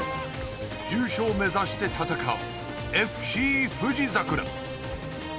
優勝を目指して戦うＦＣふじざくら。